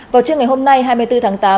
vào trưa ngày hôm nay hai mươi bốn tháng tám